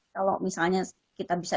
kalau misalnya kita bisa